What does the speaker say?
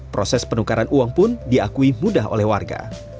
proses penukaran uang pun diakui mudah oleh warga